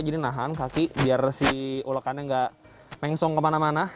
nahan kaki biar si ulekannya nggak mengsong kemana mana